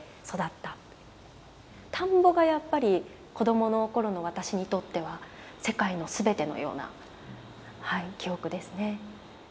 田んぼがやっぱり子供の頃の私にとっては世界の全てのようなはい記憶ですね。